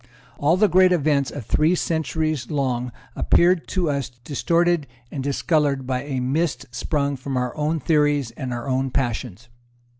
All the great events of three centuries long appeared to us distorted and discoloured by a mist sprung from our own theories and our own passions.